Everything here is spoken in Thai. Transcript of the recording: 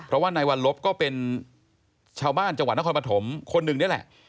เพราะว่านายวัลลบก็เป็นชาวบ้านจังหวัดนครปฐมคนหนึ่งนี่แหละ